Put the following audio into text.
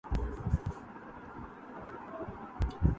البتہ بھارت کی ہٹ دھرمی کاتوڑ نکالنا ہوگا